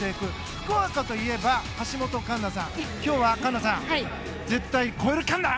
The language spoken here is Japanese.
福岡といえば橋本環奈さん、今日は環奈さん絶対超えるかんな！